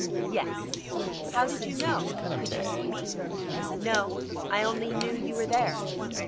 "Yes." "How did you know? Could you see me?" "No; I only knew you were there."